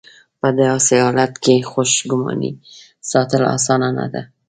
په داسې حالت کې خوشګماني ساتل اسانه نه ده.